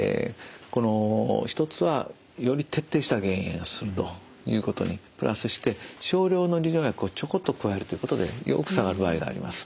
一つはより徹底した減塩をするということにプラスして少量の利尿薬をちょこっと加えるということでよく下がる場合があります。